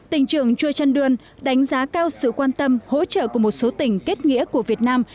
tỉnh trường chua trăn đường đánh giá cao sự quan tâm hỗ trợ của một số tỉnh kết nghĩa của việt nam